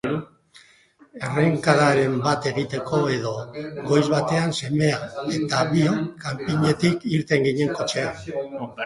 Errenkadaren bat egiteko edo, goiz batean semea eta biok kanpinetik irten ginen kotxean.